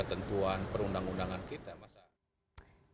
dan juga untuk menjaga kepentingan pemerintah